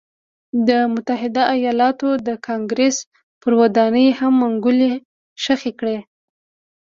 د متحده ایالتونو د کانګرېس پر ودانۍ هم منګولې خښې کړې.